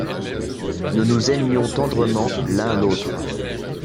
Nous nous aimions tendrement l’un l’autre.